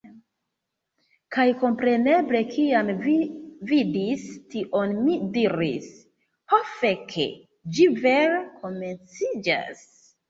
Kaj kompreneble kiam vi vidis tion mi diris, "Ho fek'! Ĝi vere komenciĝas!"